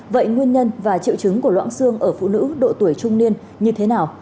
vậy nguyên nhân và triệu chứng của loãng xương ở phụ nữ độ tuổi trung niên như thế nào